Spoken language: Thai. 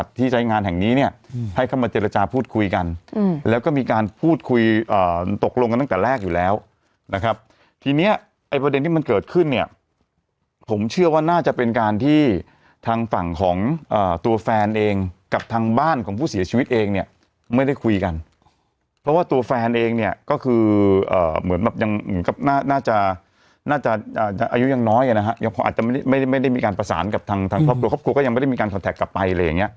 ที่ใช้งานแห่งนี้เนี้ยให้เข้ามาเจรจาพูดคุยกันอืมแล้วก็มีการพูดคุยอ่าตกลงกันตั้งแต่แรกอยู่แล้วนะครับทีเนี้ยไอ้ประเด็นที่มันเกิดขึ้นเนี้ยผมเชื่อว่าน่าจะเป็นการที่ทางฝั่งของอ่าตัวแฟนเองกับทางบ้านของผู้เสียชีวิตเองเนี้ยไม่ได้คุยกันเพราะว่าตัวแฟนเองเนี้ยก็คืออ่าเหมือนแบบย